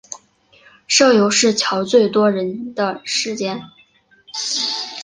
社游是乔最多人的时间